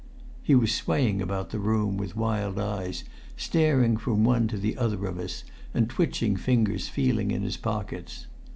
He was swaying about the room with wild eyes staring from one to the other of us and twitching fingers feeling in his pockets.